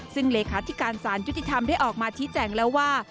ซึ่งเหลศาสตร์ที่การสารยุติธรรมได้ออกมาที่แจ่งแล้วว่า